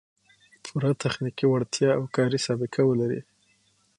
پوره تخنیکي وړتیا او کاري سابقه و لري